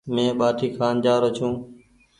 مينٚ ٻآٽي کآن جآرو ڇوٚنٚ